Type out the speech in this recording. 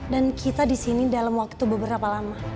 dan kita disini dalam waktu beberapa lama